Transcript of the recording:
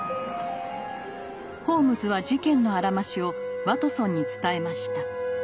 ホームズは事件のあらましをワトソンに伝えました。